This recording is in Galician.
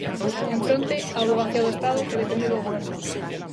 En fronte, a avogacía do Estado, que depende do Goberno.